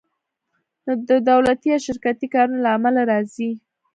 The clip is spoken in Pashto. نور د دولتي یا شرکتي کارونو له امله راځي